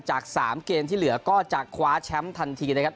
จาก๓เกมที่เหลือก็จะคว้าแชมป์ทันทีนะครับ